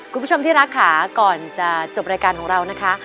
คุณผู้ชมที่รักค่ะก่อนจะจบรายการของเรานะคะ